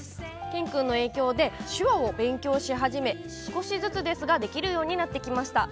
健君の影響で手話を勉強し始め少しずつですができるようになってきました。